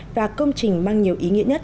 và công trình mang nhiều ý nghĩa nhất